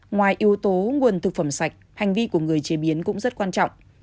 ngoài yếu tố nguồn thực phẩm sạch hành vi của người chế biến cũng rất quan trọng